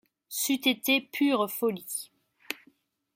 C’eut été pure folie.